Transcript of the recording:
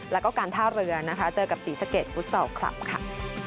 แล้วก็การท่าเรือนะคะเจอกับศรีสะเกดฟุตซอลคลับค่ะ